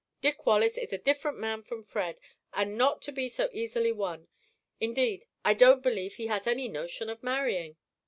Dick Wallace is a different man from Fred; and not to be so easily won. Indeed, I don't believe he has any notion of marrying."